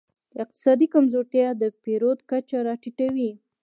اقتصادي کمزورتیا د پیرود کچه راټیټوي.